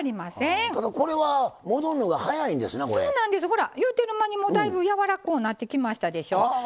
ほら言うてる間にもうだいぶやわらこうなってきましたでしょ。